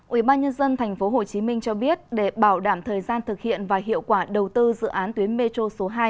ubnd tp hcm cho biết để bảo đảm thời gian thực hiện và hiệu quả đầu tư dự án tuyến metro số hai